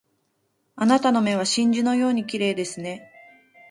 あなたの目は真珠のように綺麗ですね